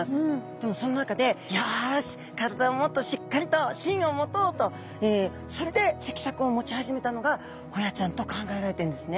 でもその中でよし体をもっとしっかりと芯を持とうとそれで脊索を持ち始めたのがホヤちゃんと考えられてるんですね。